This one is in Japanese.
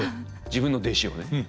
自分の弟子をね。